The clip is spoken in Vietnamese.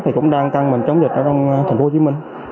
thì cũng đang căng mình chống dịch ở trong thành phố hồ chí minh